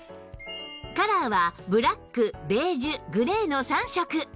カラーはブラックベージュグレーの３色